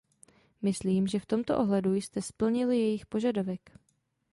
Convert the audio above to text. Myslím, že v tomto ohledu jste splnili jejich požadavek.